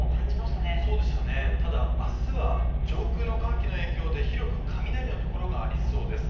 ただ明日は上空の寒気の影響で広く雷のところがありそうです。